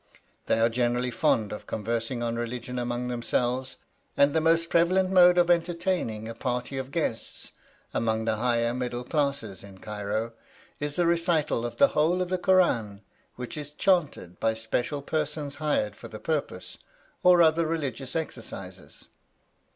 They are generally fond of conversing on religion among themselves; and the most prevalent mode of entertaining a party of guests among the higher middle classes, in Cairo, is the recital of the whole of the Kur ân, which is chanted by special persons hired for the purpose, or other religious exercises.